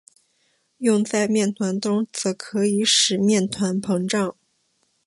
用在面团中则可以使面团膨胀。